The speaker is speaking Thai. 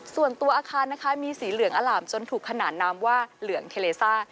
ส่วนตัวอาคารนะคะมีสีเหลืองอล่ามจนถูกขนานนามว่าเหลืองเทเลซ่า